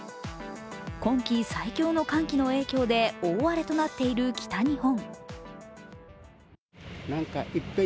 今季最強の寒気の影響で大荒れとなっている北日本。